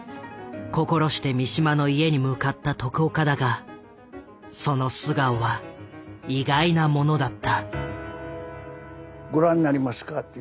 心して三島の家に向かった徳岡だがその素顔は意外なものだった。